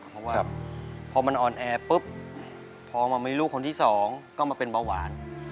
เพราะว่าพอมันออนแอร์ปุ๊บพอมามีลูกคนที่สองก็มาเป็นเบาหวาน